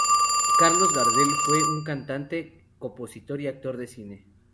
Carlos Gardel fue un cantante, compositor y actor de cine.